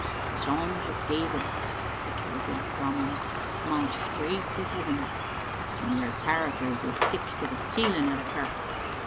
"The Psalms of David," retorted Whamond, "mount straight to heaven, but your paraphrases sticks to the ceiling o' the kirk."